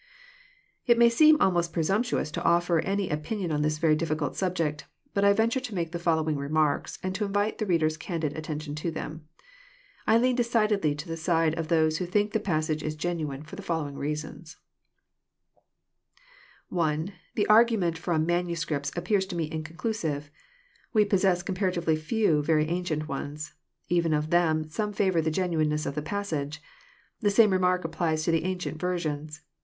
It may seem almost presumptuous to offer any opinion on this very difficult subject. But I venture to make the following re marks, and to invite the reader's candid attention to them. I lean decidely to the side of those who think the passage is gen uine, for the following reasons :— 1 . The argument from manuscripts appears to me inconclusive. We possess comparatively few very ancient ones. Even of them, %ome favour the genuineness of the passage. — The same remark applies to the ancient versions.